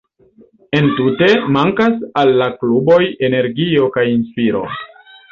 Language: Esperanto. Entute, mankas al la kluboj energio kaj inspiro.